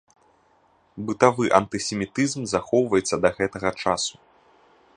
Бытавы антысемітызм захоўваецца да гэтага часу.